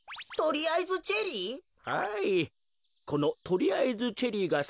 とりあえずチェリー？